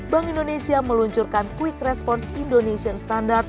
bank indonesia meluncurkan quick response indonesian standard